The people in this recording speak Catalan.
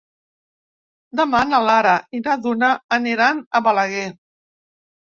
Demà na Lara i na Duna aniran a Balaguer.